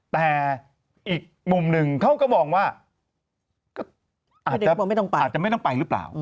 แต่อีกมุมหนึ่งเขาก็มองว่าอาจจะไม่ต้องไปหรือเปล่า